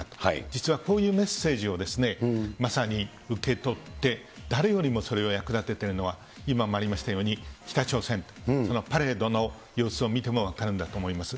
実はこういうメッセージをまさに受け取って、誰よりもそれを役立ててるのは、今もありましたように、北朝鮮、そのパレードの様子を見ても分かるんだと思います。